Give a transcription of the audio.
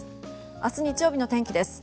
明日日曜日の天気です。